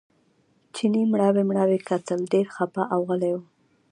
چیني مړاوي مړاوي کتل ډېر خپه او غلی و.